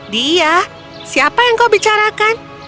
dia siapa yang kau bicarakan